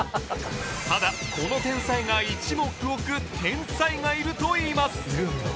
ただこの天才が一目置く天才がいるといいます